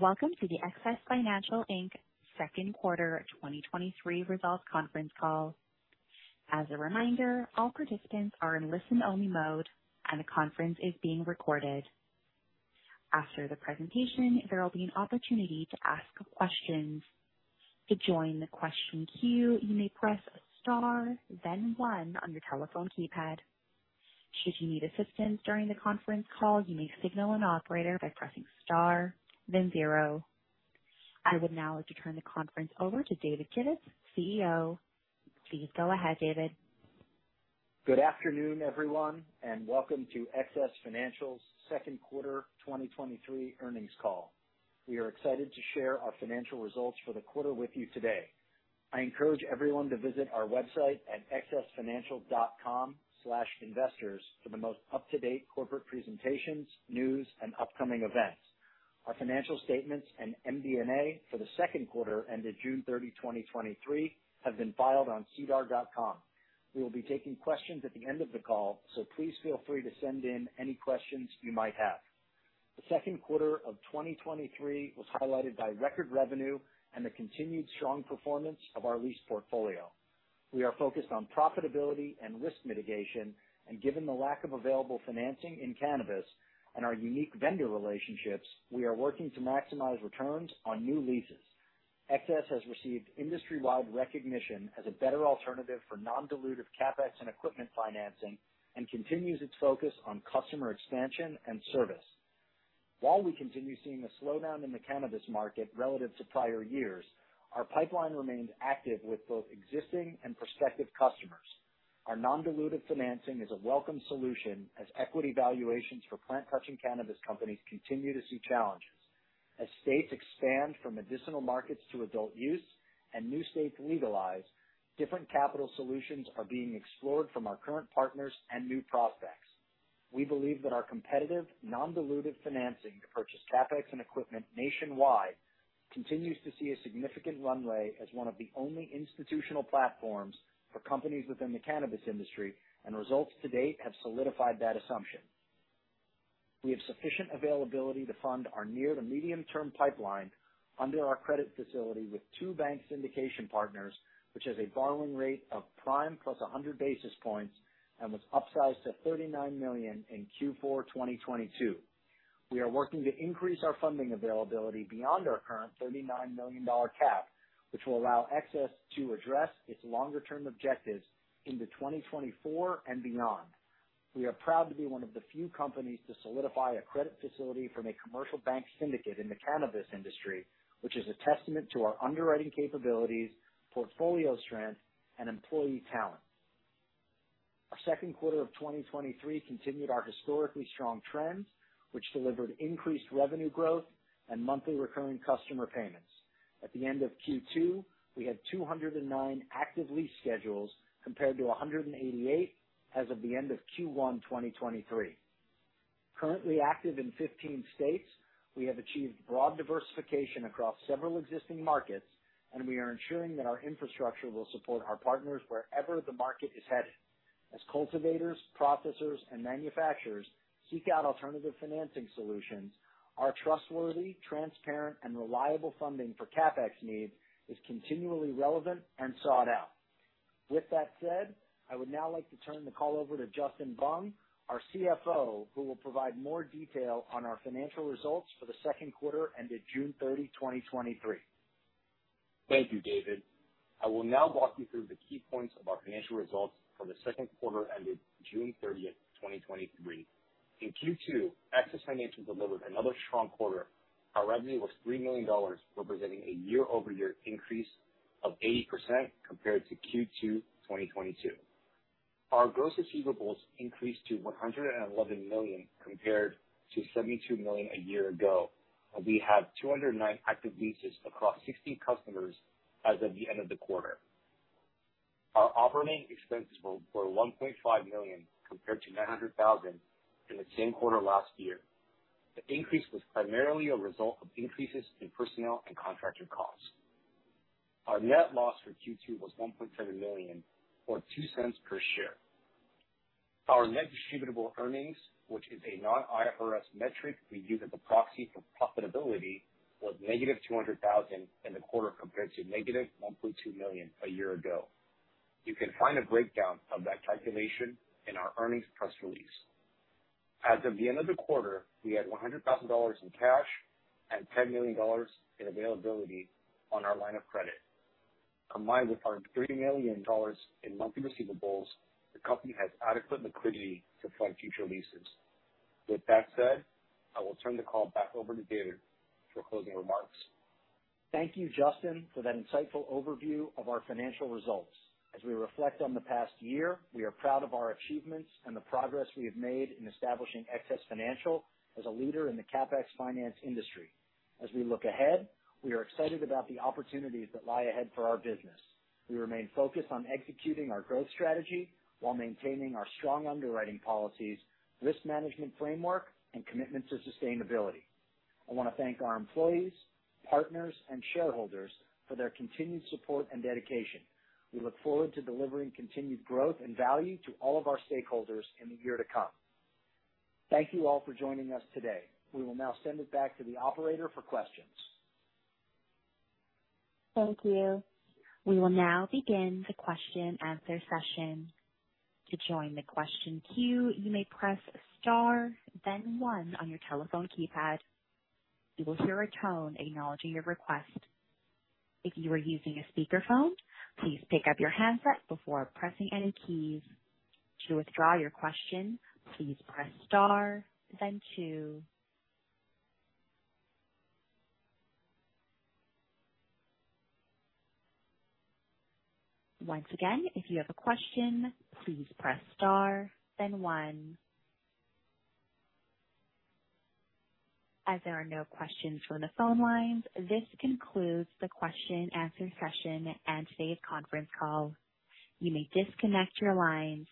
Welcome to the XS Financial Inc. second quarter 2023 results conference call. As a reminder, all participants are in listen-only mode, and the conference is being recorded. After the presentation, there will be an opportunity to ask questions. To join the question queue, you may press star, then one on your telephone keypad. Should you need assistance during the conference call, you may signal an operator by pressing star, then zero. I would now like to turn the conference over to David Kivitz, CEO. Please go ahead, David. Good afternoon, everyone, and welcome to XS Financial's second quarter 2023 earnings call. We are excited to share our financial results for the quarter with you today. I encourage everyone to visit our website at xsfinancial.com/investors for the most up-to-date corporate presentations, news, and upcoming events. Our financial statements and MD&A for the second quarter ended June 30, 2023, have been filed on SEDAR+. We will be taking questions at the end of the call, so please feel free to send in any questions you might have. The second quarter of 2023 was highlighted by record revenue and the continued strong performance of our lease portfolio. We are focused on profitability and risk mitigation, and given the lack of available financing in cannabis and our unique vendor relationships, we are working to maximize returns on new leases. XS has received industry-wide recognition as a better alternative for non-dilutive CapEx and equipment financing and continues its focus on customer expansion and service. While we continue seeing a slowdown in the cannabis market relative to prior years, our pipeline remains active with both existing and prospective customers. Our non-dilutive financing is a welcome solution as equity valuations for plant-touching cannabis companies continue to see challenges. As states expand from medicinal markets to adult use and new states legalize, different capital solutions are being explored from our current partners and new prospects. We believe that our competitive, non-dilutive financing to purchase CapEx and equipment nationwide continues to see a significant runway as one of the only institutional platforms for companies within the cannabis industry, and results to date have solidified that assumption. We have sufficient availability to fund our near to medium-term pipeline under our credit facility with two bank syndication partners, which has a borrowing rate of prime plus 100 basis points and was upsized to $39 million in Q4 2022. We are working to increase our funding availability beyond our current $39 million cap, which will allow XS to address its longer-term objectives into 2024 and beyond. We are proud to be one of the few companies to solidify a credit facility from a commercial bank syndicate in the cannabis industry, which is a testament to our underwriting capabilities, portfolio strength, and employee talent. Our second quarter of 2023 continued our historically strong trends, which delivered increased revenue growth and monthly recurring customer payments. At the end of Q2, we had 209 active lease schedules, compared to 188 as of the end of Q1 2023. Currently active in 15 states, we have achieved broad diversification across several existing markets, and we are ensuring that our infrastructure will support our partners wherever the market is headed. As cultivators, processors, and manufacturers seek out alternative financing solutions, our trustworthy, transparent, and reliable funding for CapEx needs is continually relevant and sought out. With that said, I would now like to turn the call over to Justin Vuong, our CFO, who will provide more detail on our financial results for the second quarter ended June 30, 2023. Thank you, David. I will now walk you through the key points of our financial results for the second quarter ended June 30, 2023. In Q2, XS Financial delivered another strong quarter. Our revenue was $3 million, representing a year-over-year increase of 80% compared to Q2 2022. Our gross receivables increased to $111 million compared to $72 million a year ago, and we have 209 active leases across 60 customers as of the end of the quarter. Our operating expenses were $1.5 million, compared to $900,000 in the same quarter last year. The increase was primarily a result of increases in personnel and contractor costs. Our net loss for Q2 was $1.7 million, or $0.02 per share. Our net distributable earnings, which is a non-IFRS metric we use as a proxy for profitability, was negative $200,000 in the quarter, compared to negative $1.2 million a year ago. You can find a breakdown of that calculation in our earnings press release. As of the end of the quarter, we had $100,000 in cash and $10 million in availability on our line of credit. Combined with our $3 million in monthly receivables, the company has adequate liquidity to fund future leases. With that said, I will turn the call back over to David for closing remarks. Thank you, Justin, for that insightful overview of our financial results. As we reflect on the past year, we are proud of our achievements and the progress we have made in establishing XS Financial as a leader in the CAPEX finance industry. As we look ahead, we are excited about the opportunities that lie ahead for our business. We remain focused on executing our growth strategy while maintaining our strong underwriting policies, risk management framework, and commitment to sustainability. I want to thank our employees, partners, and shareholders for their continued support and dedication. We look forward to delivering continued growth and value to all of our stakeholders in the year to come. Thank you all for joining us today. We will now send it back to the operator for questions. Thank you. We will now begin the question and answer session. To join the question queue, you may press star, then one on your telephone keypad. You will hear a tone acknowledging your request. If you are using a speakerphone, please pick up your handset before pressing any keys. To withdraw your question, please press star, then two. Once again, if you have a question, please press star, then one. As there are no questions from the phone lines, this concludes the question and answer session and today's conference call. You may disconnect your lines.